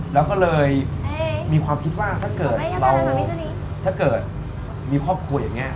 แล้วก็เลยมีความคิดว่าถ้าเกิดมีครอบครัวอย่างเงี้ย